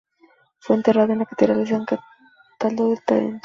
Fue enterrada en la catedral de San Cataldo en Tarento.